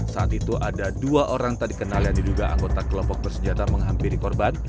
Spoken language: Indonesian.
saat itu ada dua orang tak dikenal yang diduga anggota kelompok bersenjata menghampiri korban